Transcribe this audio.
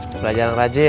belajar rajin ya